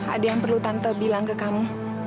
ada yang perlu tante bilang ke kamu